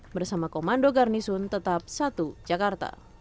bersama komando garnisun tetap satu jakarta